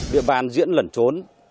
địa bàn diễn lẩn trốn